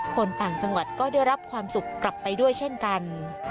คนต่างจังหวัดก็ได้รับความสุขกลับไปด้วยเช่นกัน